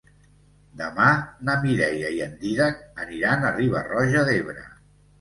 Demà na Mireia i en Dídac aniran a Riba-roja d'Ebre.